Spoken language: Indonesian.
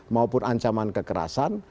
maupun ancaman kekerasan